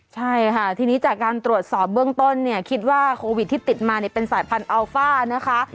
ใช่ค่ะทีนี้จากการตรวจสอบเบื้องต้นเนี่ยคิดว่าโควิดที่ติดมาเนี่ยเป็นสายพันธุอัลฟ่านะคะ